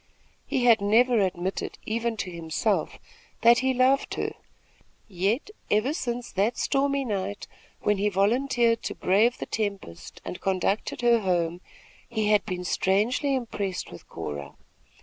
He had never admitted even to himself that he loved her; yet, ever since that stormy night when he volunteered to brave the tempest and conducted her home, he had been strangely impressed with Cora.